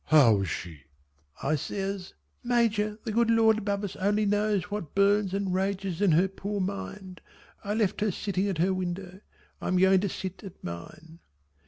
How is she?" I says "Major the good Lord above us only knows what burns and rages in her poor mind. I left her sitting at her window. I am going to sit at mine."